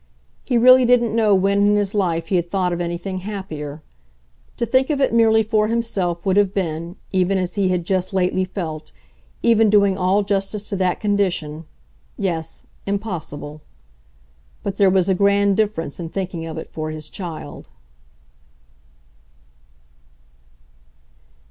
He really didn't know when in his life he had thought of anything happier. To think of it merely for himself would have been, even as he had just lately felt, even doing all justice to that condition yes, impossible. But there was a grand difference in thinking of it for his child.